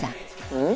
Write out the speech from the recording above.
うん？